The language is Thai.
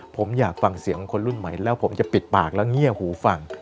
ผมอยากฟังเสียงของคนรุ่นใหม่แล้วผมจะปิดปากแล้วเงียบหูฟัง